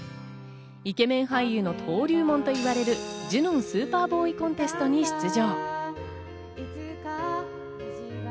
イケメン俳優の登竜門といわれるジュノン・スーパーボーイ・コンテストに出場。